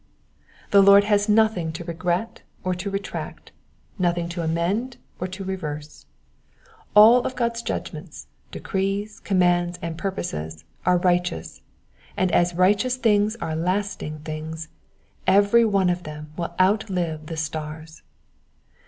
The Lord has nothing to regret or to retract, nothing to amend or to reverse. All God's judgments, decrees, commands, and purposes are righteous, and as lighteous things are lasting things, every one of them will outlive the stars.